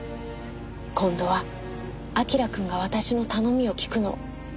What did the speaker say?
今度は彬くんが私の頼みを聞くの。